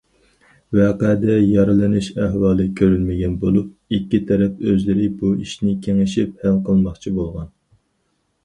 ۋەقەدە يارىلىنىش ئەھۋالى كۆرۈلمىگەن بولۇپ، ئىككى تەرەپ ئۆزلىرى بۇ ئىشنى كېلىشىپ ھەل قىلماقچى بولغان.